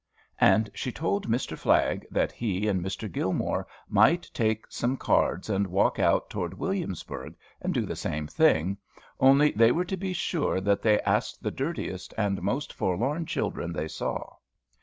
And she told Mr. Flagg that he and Mr. Gilmore might take some cards and walk out toward Williamsburg, and do the same thing, only they were to be sure that they asked the dirtiest and most forlorn children they saw.